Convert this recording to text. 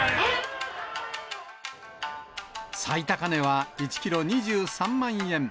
最高値は１キロ２３万円。